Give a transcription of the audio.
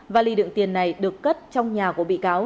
và lì đựng tiền này được cất trong nhà của bị cáo